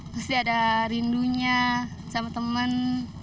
pasti ada rindunya sama temen